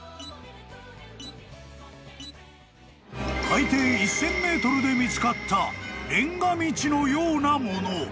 ［海底１，０００ｍで見つかったレンガ道のようなもの］